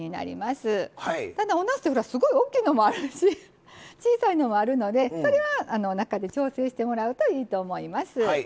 ただおなすってすごい大きいのもあるし小さいのもあるのでそれは中で調整してもらうといいと思います。